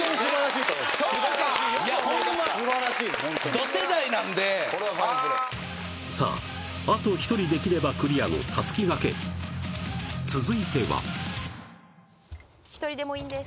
ど世代なんでさああと１人できればクリアのたすき掛け続いては１人でもいいんです